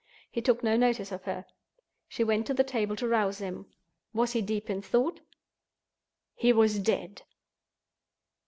He took no notice of her. She went to the table to rouse him. Was he deep in thought? He was dead!